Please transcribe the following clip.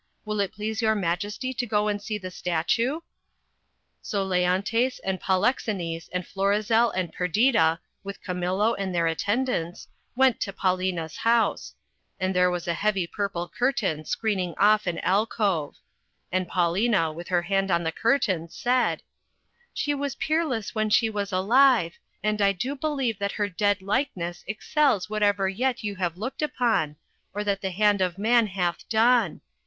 Will it please your Majesty to go and vSee the statue?" So Leontes, and Polixenes, and Florizel, and Perdita, with Cam illo and their attendants, went to Paulina's house, and there was a heavy purple curtain screening off an alcove ; and Paulina, with her hand on the curtain, said — "She was peerless when she was alive, and I do believe that her dead likeness excels whatever yet you have looked upon, or that the hand of man hath done.